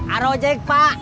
aro ojak pak